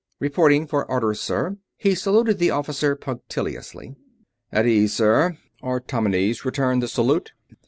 "Reporting for orders, sir." He saluted the Officer punctiliously. "At ease, sir." Artomenes returned the salute.